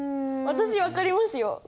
私分かりますよ！